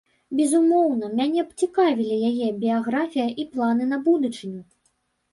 Безумоўна, мяне б цікавілі яе біяграфія і планы на будучыню.